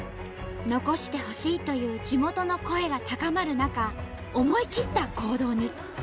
「残してほしい」という地元の声が高まる中思い切った行動に。